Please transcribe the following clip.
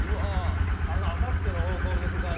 あのあさっての方向向く感じ。